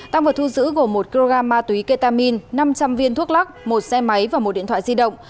tăng vật thu giữ gồm một kg ma túy ketamine năm trăm linh viên thuốc lắc một xe máy và một điện thoại di động